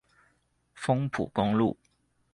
豐埔公路